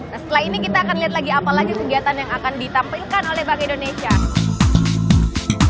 nah setelah ini kita akan lihat lagi apa lagi kegiatan yang akan ditampilkan oleh bank indonesia